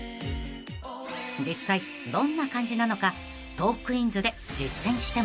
［実際どんな感じなのか『トークィーンズ』で実践してもらいましょう］